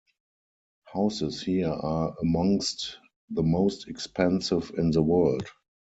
Houses here are amongst the most expensive in the world.